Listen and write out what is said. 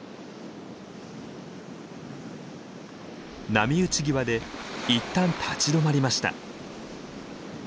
波打ち際でいったん立ち止まりました。